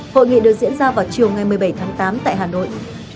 hội nghị được diễn ra vào chiều ngày một mươi bảy tháng tám tại hà nội